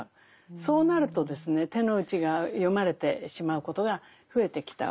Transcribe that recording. そうなると手の内が読まれてしまうことが増えてきたわけですね。